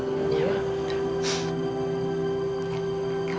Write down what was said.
kami promisi dulu ya